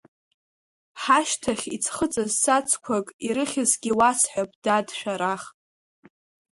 Ҳашьҭахь иӡхыҵыз саӡқуак ирыхьызгьы уасҳәап, дад, Шәарах.